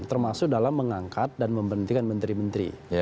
termasuk dalam mengangkat dan membentikan menteri menteri